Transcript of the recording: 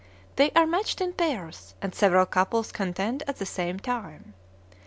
They are matched in pairs, and several couples contend at the same time.